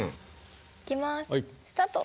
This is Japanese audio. いきますスタート！